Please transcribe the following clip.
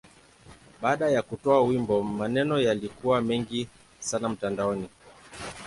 Baada ya kutoa wimbo, maneno yalikuwa mengi sana mtandaoni.